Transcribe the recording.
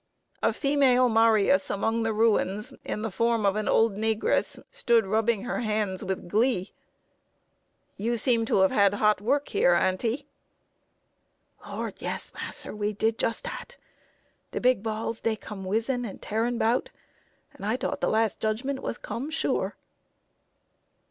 A female Marius among the ruins, in the form of an old negress, stood rubbing her hands with glee. "You seem to have had hot work here, aunty." "Lord, yes, mass'r, we did just dat! De big balls, dey come whizzing and tearing 'bout, and I thought de las' judgment was cum, sure."